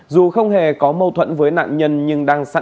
dù không hề có mâu thuẫn với nạn nhân nhưng đang sát